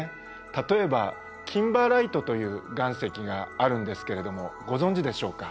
例えばキンバーライトという岩石があるんですけれどもご存じでしょうか？